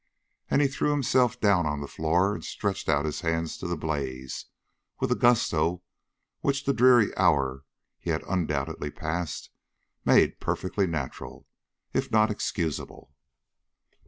And he threw himself down on the floor and stretched out his hands to the blaze, with a gusto which the dreary hour he had undoubtedly passed made perfectly natural, if not excusable.